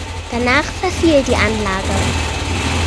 Danach verfiel die Anlage.